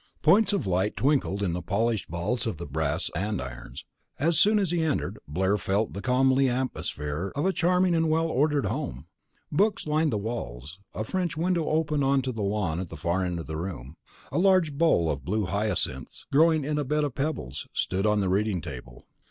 Points of light twinkled in the polished balls of the brass andirons. As soon as he entered, Blair felt the comely atmosphere of a charming and well ordered home. Books lined the walls; a French window opened on to the lawn at the far end of the room; a large bowl of blue hyacinths, growing in a bed of pebbles, stood on the reading table.